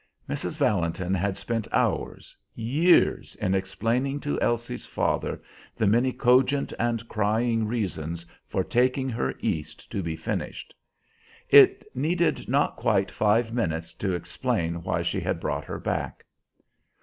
Mrs. Valentin had spent hours, years, in explaining to Elsie's father the many cogent and crying reasons for taking her East to be finished. It needed not quite five minutes to explain why she had brought her back.